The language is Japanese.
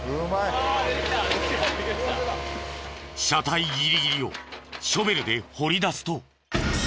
車体ギリギリをショベルで掘り出すと。